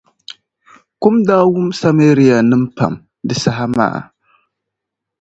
Kum daa mii Samarianim’ pam di saha maa.